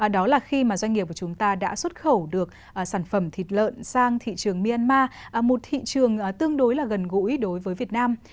đó là khi mà doanh nghiệp của chúng ta đã xuất khẩu được sản phẩm thịt lợn sang thị trường myanmar một thị trường tương đối là gần gũi đối với việt nam